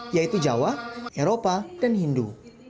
yaitu jawa eropa dan hindu